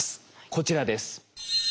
こちらです。